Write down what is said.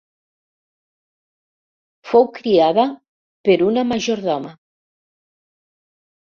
Fou criada per una majordoma: